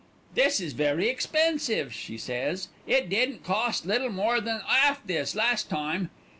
"'This is very expensive,' she says. 'It didn't cost little more than 'alf this last time.'